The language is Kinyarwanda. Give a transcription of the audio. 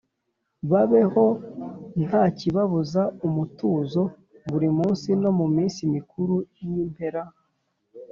babeho ntakibabuza umutuzo buri munsi no mu minsi mikuru y impera